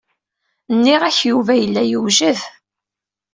Nniɣ-ak Yuba yella yewjed.